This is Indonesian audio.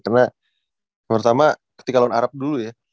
karena yang pertama ketika lawan arab dulu ya